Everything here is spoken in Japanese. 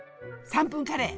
３分カレー。